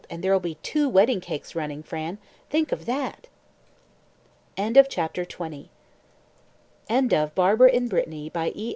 "And there'll be two wedding cakes running, Fran think of that!" End of the Project Gutenberg EBook of Barbara in Brittany, by E.